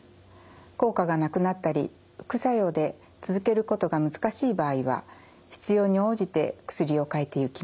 効果がなくなったり副作用で続けることが難しい場合は必要に応じて薬を変えてゆきます。